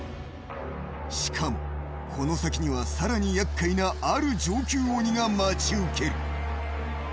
しかも、この先には更にやっかいなある上級鬼が待ち受ける。